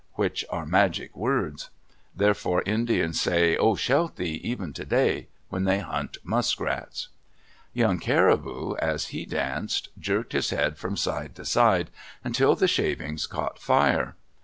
which are magic words. Therefore Indians say, "Oh, shelte," even today, when they hunt muskrats. Young Caribou, as he danced, jerked his head from side to side until the shavings caught fire.